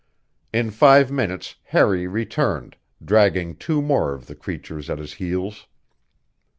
In five minutes Harry returned, dragging two more of the creatures at his heels.